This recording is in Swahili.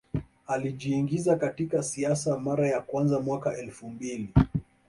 Alijiingiza katika siasa mara ya kwanza mwaka elfu mbili